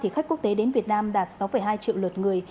khách quốc tế đến việt nam đạt sáu hai triệu lượt người